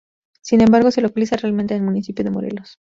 Sin embargo, se localiza realmente en el municipio de Morelos.